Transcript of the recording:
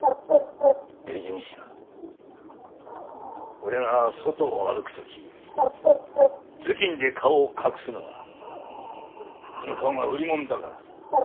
俺が外を歩く時頭巾で顔を隠すのはこの顔が売りもんだからさ。